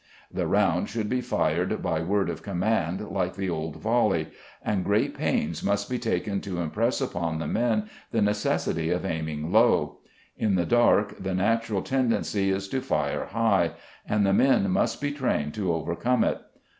The round should be fired by word of command, like the old volley, and great pains must be taken to impress upon the men the necessity of aiming low. In the dark the natural tendency is to fire high, and the men must be trained to overcome it.